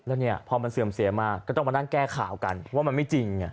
แล้วเนี่ยพอมันเสื่อมเสียมาก็ต้องมานั่งแก้ข่าวกันว่ามันไม่จริง